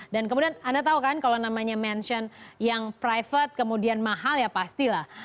dan kemudian anda tahu kan kalau namanya mansion yang private kemudian mahal ya pastilah